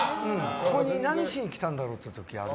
ここに何しに来たんだろうっていう時ある。